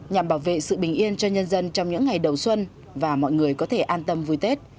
nhằm bảo vệ sự bình yên cho nhân dân trong những ngày đầu xuân và mọi người có thể an tâm vui tết